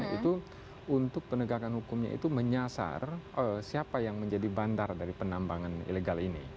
itu untuk penegakan hukumnya itu menyasar siapa yang menjadi bandar dari penambangan ilegal ini